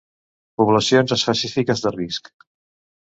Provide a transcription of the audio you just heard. Poblacions específiques de risc.